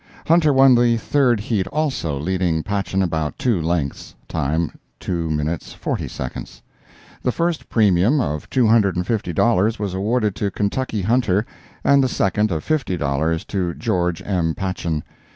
"Hunter" won the third heat also, leading "Patchen" about two lengths. Time, 2 :40. The first premium, of two hundred and fifty dollars, was awarded to "Kentucky Hunter," and the second, of fifty dollars, to "George M. Patchen."